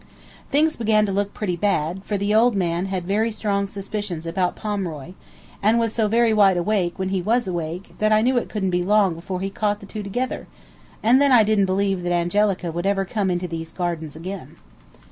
Things began to look pretty bad, for the old man had very strong suspicions about Pomeroy, and was so very wide awake when he was awake, that I knew it couldn't be long before he caught the two together, and then I didn't believe that Angelica would ever come into these gardens again.